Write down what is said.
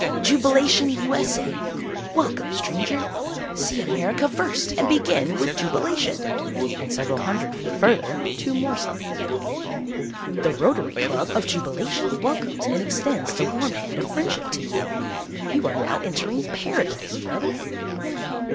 JUBILATION, U.S.A.!! WELCOME, STRANGER! See America first and begin with JUBILATION! And several hundred feet further two more signs. THE ROTARY CLUB of Jubilation welcomes and extends the warm hand of friendship to you!!!! You are now entering Paradise, brother!